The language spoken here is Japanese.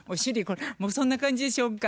もうそんな感じでしょうか。